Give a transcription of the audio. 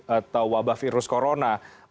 atau wabah virus corona